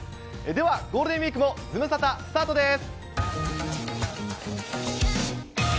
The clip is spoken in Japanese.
ではゴールデンウィークもズムサタスタートです。